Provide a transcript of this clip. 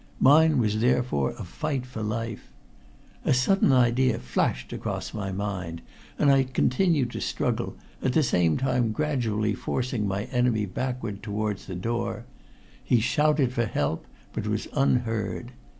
Mine was therefore a fight for life. A sudden idea flashed across my mind, and I continued to struggle, at the same time gradually forcing my enemy backward towards the door. He shouted for help, but was unheard.